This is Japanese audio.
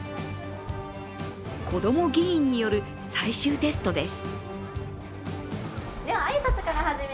こども議員による最終テストです。